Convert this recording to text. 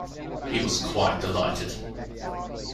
He was quite delighted.